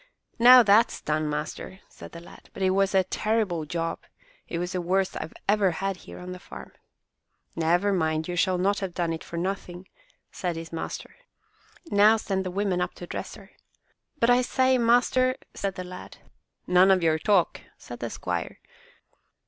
"Now that's done, master!" said the lad; "but it was a terrible job. It was the worst I have ever had here on the farm." "Never mind, you shall not have done it for nothing," said his master. "Now send the women up to dress her." "But I say, master —!" said the lad. "None of your talk!" said the squire.